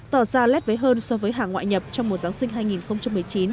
tỏ ra lét vế hơn so với hàng ngoại nhập trong mùa giáng sinh hai nghìn một mươi chín